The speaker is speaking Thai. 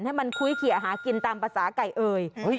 ให้มันคุ้ยเขียหากินตามภาษาไก่เอ่ย